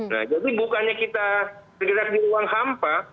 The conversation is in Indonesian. nah jadi bukannya kita bergerak di ruang hampa